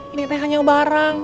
ini teh hanya barang